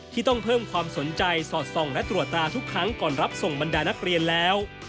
ที่ต้องเพิ่มความสนใจสอดส่องและตรวจตราทุกครั้งก่อนรับส่งบรรดานักเรียนแล้ว